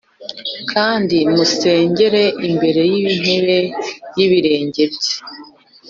kandi musengere imbere y’intebe y’ibirenge bye.